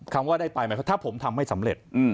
คำว่าได้ไปไหมถ้าผมทำไม่สำเร็จอืม